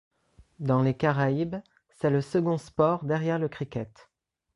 Dans les Caraïbes, c'est le second sport derrière le cricket.